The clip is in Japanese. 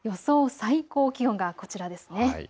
最高気温がこちらです。